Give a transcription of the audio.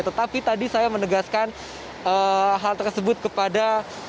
tetapi tadi saya menegaskan hal tersebut kepada